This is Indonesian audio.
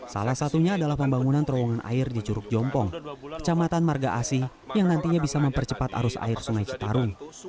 salah satunya adalah pembangunan terowongan air di curug jompong kecamatan marga asi yang nantinya bisa mempercepat arus air sungai citarum